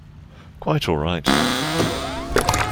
Quite all right.